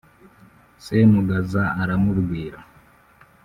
" Semugaza aramubwira